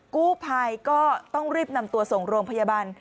กู้ภัยก็ต้องรีบนำตัวส่งโรงพยาบาล